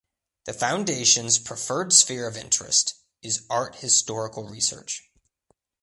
The Foundation's preferred sphere of interest is art historical research.